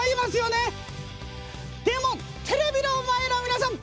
でもテレビの前のみなさん